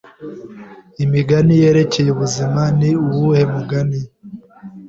Imigani yerekeye ubuzima:Ni uwuhe mugani